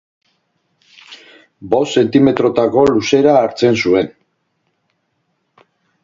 Bost zentimetrotako luzera hartzen zuen.